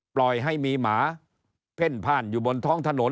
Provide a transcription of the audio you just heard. ปล่อยให้มีหมาเพ่นพ่านอยู่บนท้องถนน